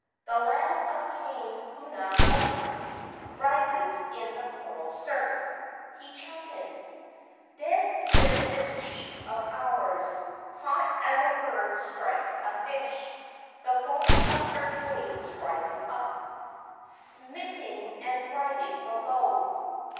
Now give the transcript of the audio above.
The land of Kane huna moku rises in the coral surf." He chanted: " Dead is this chief of ours, Caught as a bird strikes a fish; The foam of surf waves rises up, Smiting and driving below.